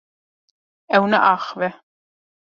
Ew naaxive.